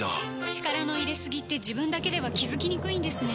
力の入れすぎって自分だけでは気付きにくいんですね